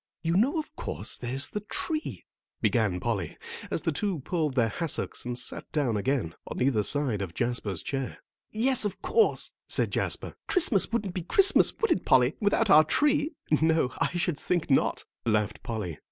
"You know, of course, there's the tree," began Polly, as the two pulled their hassocks and sat down again, on either side of Jasper's chair. "Yes, of course," said Jasper. "Christmas wouldn't be Christmas, would it, Polly, without our tree." "No, I should think not," laughed Polly.